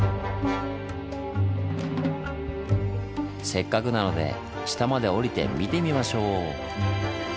せっかくなので下までおりて見てみましょう！